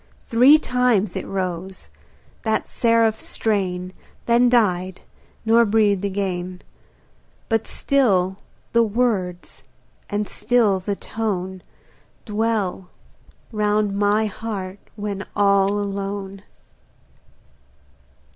Three times it rose, that seraph strain, Then died, nor breathed again; But still the words and still the tone Dwell round my heart when all alone.